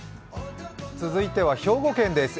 続いては兵庫県です。